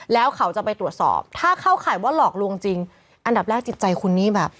แล้วเขาจะไปตรวจสอบถ้าเข้าข่ายว่าหลอกลวงจริงอันดับแรกจิตใจคุณนี่แบบ